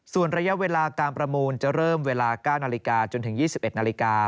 ส่วนระยะเวลาการประมูลจะเริ่มเวลา๙นาฬิกาจนถึง๒๑นาฬิกา